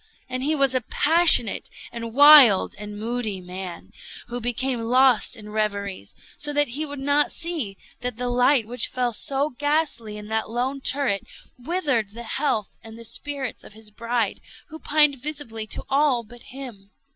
And he was a passionate, and wild, and moody man, who became lost in reveries; so that he would not see that the light which fell so ghastly in that lone turret withered the health and the spirits of his bride, who pined visibly to all but him.